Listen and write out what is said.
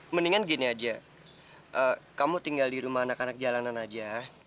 mendingan gini aja kamu tinggal di rumah anak anak jalanan aja